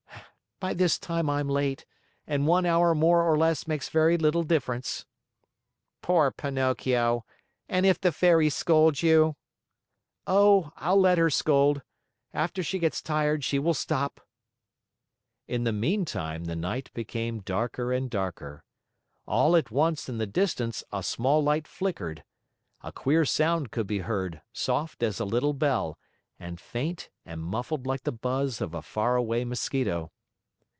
"By this time I'm late, and one hour more or less makes very little difference." "Poor Pinocchio! And if the Fairy scolds you?" "Oh, I'll let her scold. After she gets tired, she will stop." In the meantime, the night became darker and darker. All at once in the distance a small light flickered. A queer sound could be heard, soft as a little bell, and faint and muffled like the buzz of a far away mosquito.